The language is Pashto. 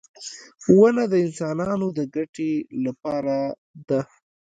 • ونه د انسانانو د ګټې لپاره ده.